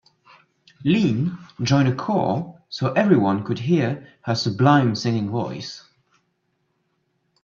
Leanne joined a choir so everyone could hear her sublime singing voice.